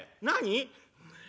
何？」。